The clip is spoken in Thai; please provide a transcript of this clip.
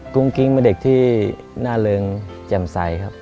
กุ้งกิ๊งเป็นเด็กที่น่าเริงแจ่มใสครับ